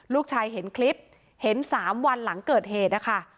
ลูกชายเห็นคลิปเห็น๓วันหลังเกิดเหตุนะคะ